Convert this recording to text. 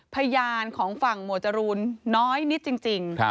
พยานของฝั่งหมวดจรูนน้อยนิดจริง